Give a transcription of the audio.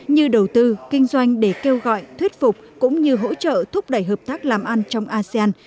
như đầu tư kinh doanh để kêu gọi thuyết phục cũng như hỗ trợ thúc đẩy hợp tác làm ăn trong asean